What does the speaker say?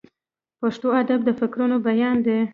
پښتو ادب د فکرونو بیان دی.